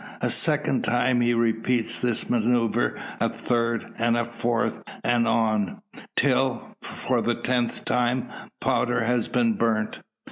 A second, time he repeats this manoeuvre; a third, and a fourth; and on, till, for the tenth time, powder has been burnt.